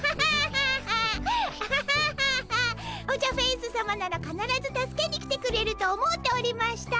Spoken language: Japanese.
オジャフェウスさまならかならず助けに来てくれると思うておりました。